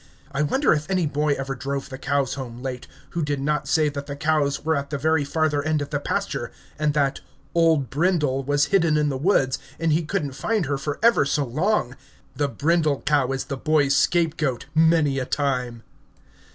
I wonder if any boy ever drove the cows home late, who did not say that the cows were at the very farther end of the pasture, and that "Old Brindle" was hidden in the woods, and he couldn't find her for ever so long! The brindle cow is the boy's scapegoat, many a time.